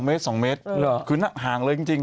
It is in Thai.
เมตรนึงยังไม่อยู่ง